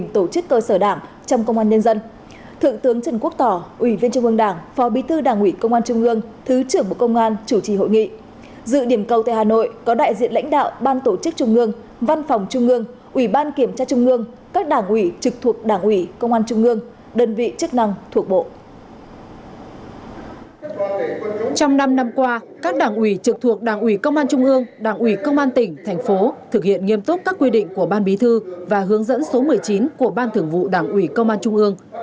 trong năm năm qua các đảng ủy trực thuộc đảng ủy công an trung ương đảng ủy công an tỉnh thành phố thực hiện nghiêm túc các quy định của ban bí thư và hướng dẫn số một mươi chín của ban thưởng vụ đảng ủy công an trung ương